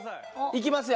いきますよ。